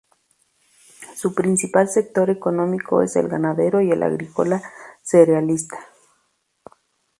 Su principal sector económico es el ganadero y el agrícola cerealista.